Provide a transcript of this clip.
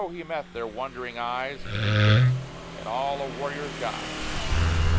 he met their wondering eyes Complete in all a warrior's guise.